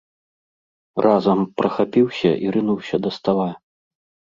Разам прахапіўся і рынуўся да стала.